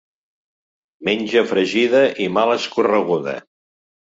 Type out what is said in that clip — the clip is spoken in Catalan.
Menja fregida i mal escorreguda.